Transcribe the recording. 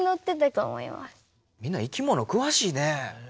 みんないきものくわしいねえ！